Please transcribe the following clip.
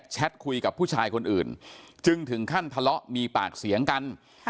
คุยกับผู้ชายคนอื่นจึงถึงขั้นทะเลาะมีปากเสียงกัน